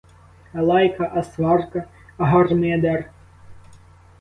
А лайка, а сварка, а гармидер?